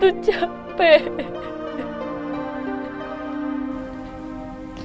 aku tuh gak ada maksud buat